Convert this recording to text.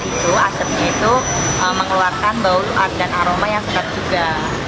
kayu asamnya itu mengeluarkan bau dan aroma yang sangat juga